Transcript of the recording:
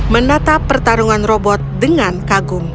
menata pertarungan robot dengan kagum